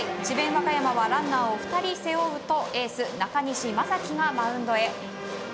和歌山はランナーを２人背負うとエース中西聖輝がマウンドへ。